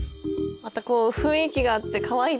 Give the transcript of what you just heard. また雰囲気があってかわいいですね。